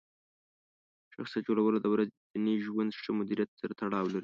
شخصیت جوړونه د ورځني ژوند ښه مدیریت سره تړاو لري.